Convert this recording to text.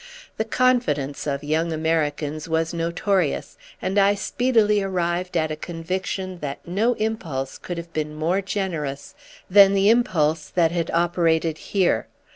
The confidence of young Americans was notorious, and I speedily arrived at a conviction that no impulse could have been more generous than the impulse that had operated here.